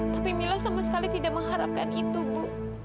tapi mila sama sekali tidak mengharapkan itu bu